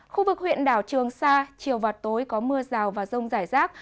khu vực huyện đảo trường sa chiều và tối có mưa rào và rông rải rác